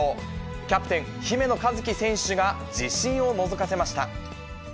キャプテン、姫野和樹選手が自信をのぞかせました。